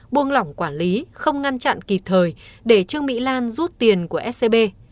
buông lỏng quản lý không ngăn chặn kịp thời để trương mỹ lan rút tiền của scb